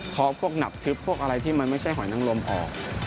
พอพวกหนับทึบพวกอะไรที่มันไม่ใช่หอยนังลมออก